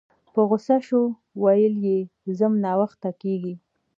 په غوسه شوه ویل یې ځم ناوخته کیږي